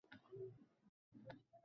Shunday ham bo‘ldi.